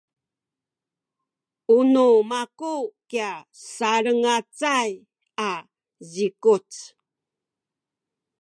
u nu maku kya sanglacay a zikuc.